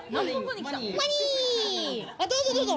どうぞどうぞ。